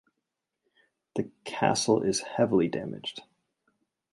The castle is heavily damaged.